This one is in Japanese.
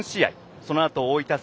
そのあと大分戦。